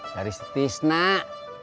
dari si tisnak